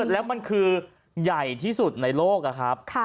แล้วมันคือใหญ่ที่สุดในโลกอะครับ